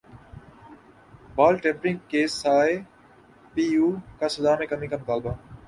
بال tampering کیساے پی یو کا سزا میں کمی کامطالبہ